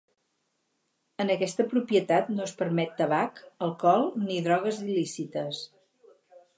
En aquesta propietat no es permet tabac, alcohol ni drogues il·lícites.